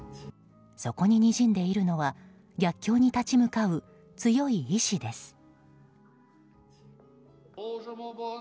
そこに、にじんでいるのは逆境に立ち向かう強い意志です。